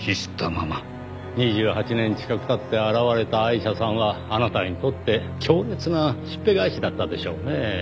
２８年近く経って現れたアイシャさんはあなたにとって強烈なしっぺ返しだったでしょうねぇ。